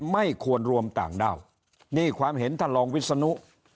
ไม่ควรรวมต่างด้าวนี่ความเห็นท่านรองวิศนุ